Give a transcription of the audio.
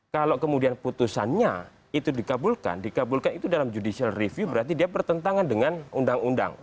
kalau kemudian putusannya itu dikabulkan dikabulkan itu dalam judicial review berarti dia bertentangan dengan undang undang